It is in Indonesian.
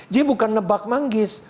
jadi bukan nebak manggis